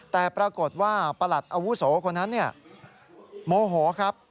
แต่ปรากฏว่าประหลัดอาวุโสคนนั้นโมโหครับ